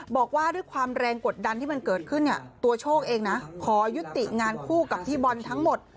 บอกว่าด้วยความแรงกดดันที่มันเกิดขึ้นเนี่ยตัวโชคเองนะขอยุติงานคู่กับพี่บอลทั้งหมด